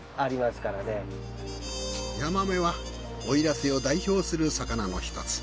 ヤマメは奥入瀬を代表する魚の一つ。